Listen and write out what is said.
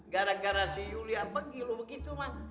gara gara si julia begitu man